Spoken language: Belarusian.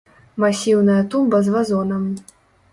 Масіўная тумба з вазонам.